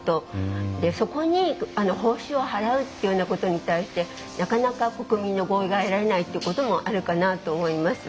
そこに報酬を払うっていうようなことに対してなかなか国民の合意が得られないということもあるかなと思います。